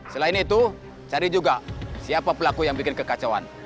selain itu cari juga siapa pelaku yang bikin kekacauan